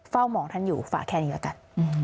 มองท่านอยู่ฝากแค่นี้แล้วกัน